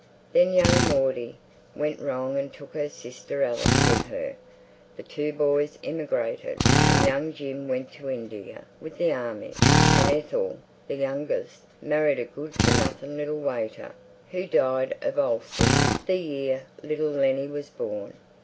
Then young Maudie went wrong and took her sister Alice with her; the two boys emigrated, and young Jim went to India with the army, and Ethel, the youngest, married a good for nothing little waiter who died of ulcers the year little Lennie was born.